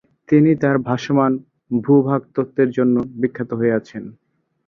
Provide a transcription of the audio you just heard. তিনি তার "ভাসমান ভূ-ভাগ তত্ত্বের" জন্য বিখ্যাত হয়ে আছেন।